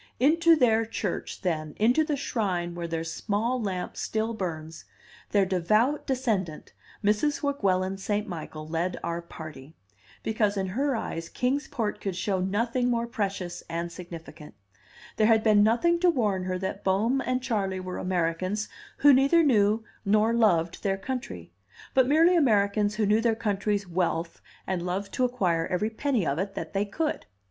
Into their church, then, into the shrine where their small lamp still burns, their devout descendant, Mrs. Weguelin St. Michael led our party, because in her eyes Kings Port could show nothing more precious and significant. There had been nothing to warn her that Bohm and Charley were Americans who neither knew nor loved their country, but merely Americans who knew their country's wealth and loved to acquire every penny of it that they could.